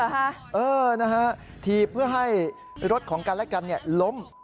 เอ้าเหรอฮะเออนะฮะถีบเพื่อให้รถของกันและกันเนี่ยล้ม